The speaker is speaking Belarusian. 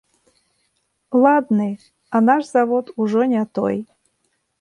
Ладны, а наш завод ужо не той.